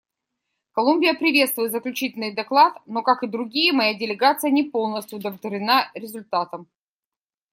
Колумбия приветствует заключительный доклад, но, как и другие, моя делегация не полностью удовлетворена результатом.